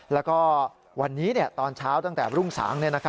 แล้วก็วันนี้ตอนเช้าตั้งแต่รุ่งสาง